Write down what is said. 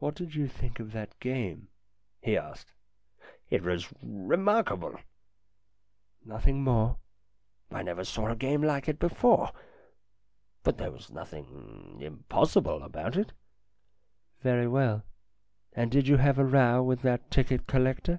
"What did you think of that game?" he asked. " It Was remarkable." " Nothing more ?"" I never saw a game like it before. But there was nothing impossible about it." "Very well. And did you have a row with that ticket collector?"